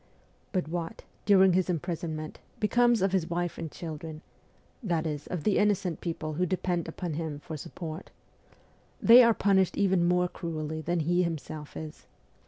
But what, during his imprisonment, becomes of his wife and children, that is, of the innocent people who depend upon him for support ? They are punished even more cruelly than he himself is.